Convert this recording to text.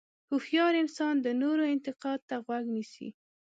هوښیار انسان د نورو انتقاد ته غوږ نیسي.